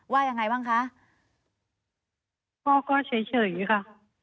ว่ายังไงบ้างคะพ่อก็เฉยค่ะ